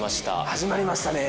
始まりましたね。